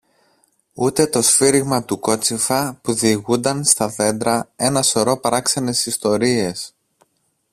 ούτε το σφύριγμα του κότσυφα που διηγούνταν στα δέντρα ένα σωρό παράξενες ιστορίες.